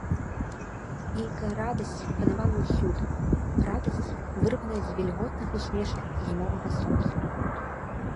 Нейкая радасць панавала ўсюды, радасць, вырваная з вільготных усмешак зімовага сонца.